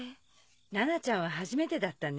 奈々ちゃんは初めてだったね。